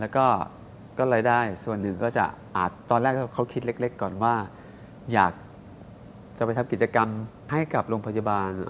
แล้วก็รายได้ส่วนหนึ่งก็จะอาจตอนแรกเขาคิดเล็กก่อนว่าอยากจะไปทำกิจกรรมให้กับโรงพยาบาล